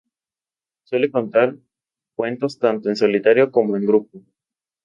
Suele contar cuentos tanto en solitario como en grupo.